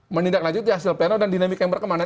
menindaklanjut di hasil pleno dan dinamika yang berkembang